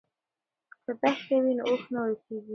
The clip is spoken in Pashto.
که دښته وي نو اوښ نه ورکیږي.